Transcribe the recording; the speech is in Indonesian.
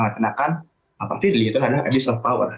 bahkan pak firdli itu adalah adik self power